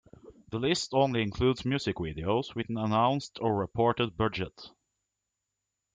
This list only includes music videos with an announced or reported budget.